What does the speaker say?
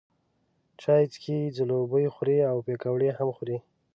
چای څښي، ځلوبۍ خوري او پیکوړې هم خوري.